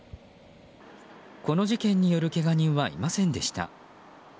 この事件によるけが人はいませんでした。